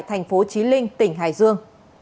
thành phố trí linh tỉnh hải dương